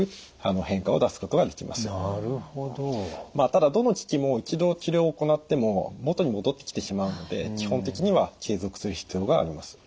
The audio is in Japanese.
ただどの機器も一度治療を行っても元に戻ってきてしまうので基本的には継続する必要があります。